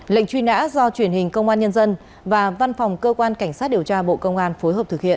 lệnh truy nã do truyền hình công an nhân dân và văn phòng cơ quan cảnh sát điều tra bộ công an phối hợp thực hiện